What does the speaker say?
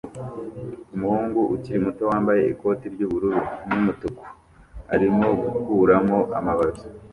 Umuhungu ukiri muto wambaye ikoti ry'ubururu n'umutuku arimo gukuramo amababi